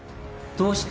どうして。